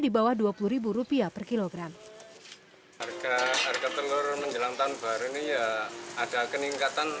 di bawah dua puluh rupiah per kilogram harga harga telur menjelang tahun baru ini ya ada keningkatan